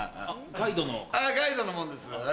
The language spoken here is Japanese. ガイドの者です。